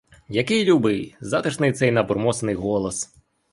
Який любий, затишний цей набурмосений голос!